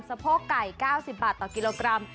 โพกไก่๙๐บาทต่อกิโลกรัม